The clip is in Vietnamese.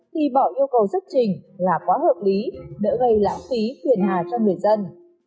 thì bỏ yêu cầu rất trình là quá hợp lý đỡ gây lãng phí phiền hà cho người dân